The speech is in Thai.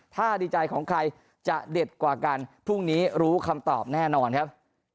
ถ้าดีใจของใครจะเด็ดกว่ากันพรุ่งนี้รู้คำตอบแน่นอนครับ